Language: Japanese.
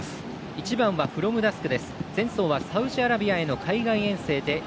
１番フロムダスク。